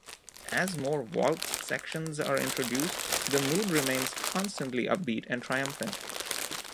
As more waltz sections are introduced, the mood remains constantly upbeat and triumphant.